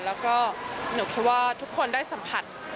แล้วก็หนูคิดว่าทุกคนได้สัมผัส